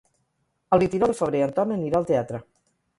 El vint-i-nou de febrer en Ton anirà al teatre.